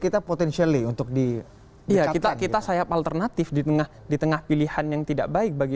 kita potensial untuk di ya kita kita sayap alternatif di tengah di tengah pilihan yang tidak baik bagi